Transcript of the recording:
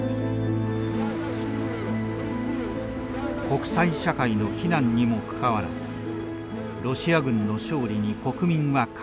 国際社会の非難にもかかわらずロシア軍の勝利に国民は歓喜。